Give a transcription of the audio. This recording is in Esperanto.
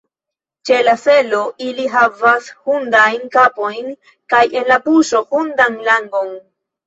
Ĉe la selo ili havas hundajn kapojn kaj en la buŝo hundan langon!